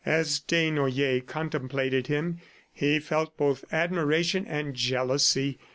As Desnoyers contemplated him, he felt both admiration and jealousy.